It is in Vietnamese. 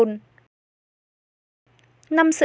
năm sợi dây sạc điện thoại iphone